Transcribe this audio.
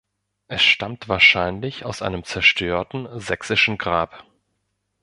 Es stammt wahrscheinlich aus einem zerstörten sächsischen Grab.